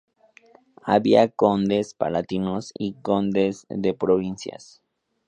Había "condes palatinos" y "condes de provincias".